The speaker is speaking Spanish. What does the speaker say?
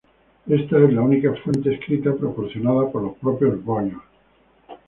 Esta es la única "fuente escrita" proporcionada por los propios boyos.